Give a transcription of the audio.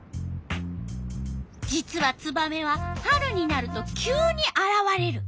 実はツバメは春になると急にあらわれる。